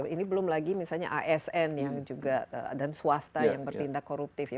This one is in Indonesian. ini belum lagi misalnya asn yang juga dan swasta yang bertindak koruptif ya